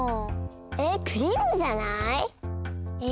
えクリームじゃない？え？